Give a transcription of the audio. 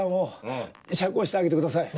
うん。釈放してあげてください。